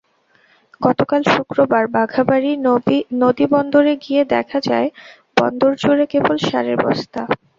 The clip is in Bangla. গতকাল শুক্রবার বাঘাবাড়ী নদীবন্দরে গিয়ে দেখা যায়, বন্দরজুড়ে কেবল সারের বস্তা।